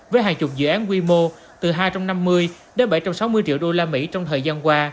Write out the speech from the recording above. với hàng chục dự án quy mô từ hai trăm năm mươi bảy trăm sáu mươi triệu usd trong thời gian qua